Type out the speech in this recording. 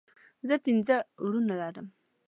زه پنځه وروڼه لرم